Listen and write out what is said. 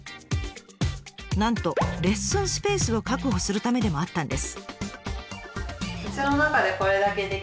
なんとレッスンスペースを確保するためでもあったんです。